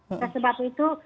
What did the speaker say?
oleh sebab itu